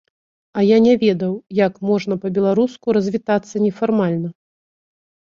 І я не ведаў, як можна па-беларуску развітацца нефармальна.